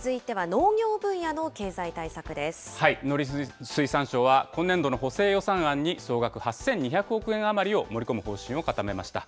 農林水産省は、今年度の補正予算案に総額８２００億円余りを盛り込む方針を固めました。